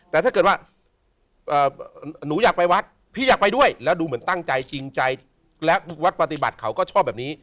แต่ถ้าเกิดว่าหนูอยากไปวัดพี่อยากไปด้วยแล้วดูเหมือนตั้งใจจริงใจและวัดปฏิบัติเขาก็ชอบแบบนี้